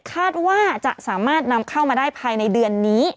คาดว่าจะสามารถนำเข้ามาได้ภายในเดือนนี้